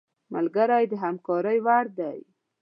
ملګری د همکارۍ وړ دی